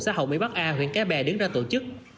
xã hậu mỹ bắc a huyện cái bè đứng ra tổ chức